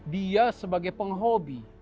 dia sebagai penghobi